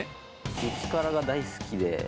激辛が大好きで。